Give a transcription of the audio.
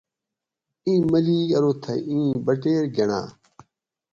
ایں ملیک ارو تھہ ایں بٹیر گنڑا